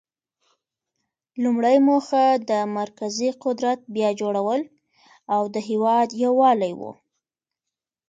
لومړۍ موخه د مرکزي قدرت بیا جوړول او د هیواد یووالی و.